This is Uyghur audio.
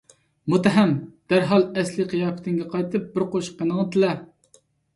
مۇتتەھەم! دەرھال ئەسلىي قىياپىتىڭگە قايتىپ بىر قوشۇق قېنىڭنى تىلە!